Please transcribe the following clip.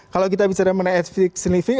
kalau kita bicara mengenai active sniffing